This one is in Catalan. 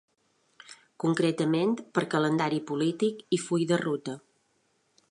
Concretament, per calendari polític i full de ruta.